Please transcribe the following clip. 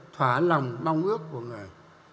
thỏa lòng mong ước của người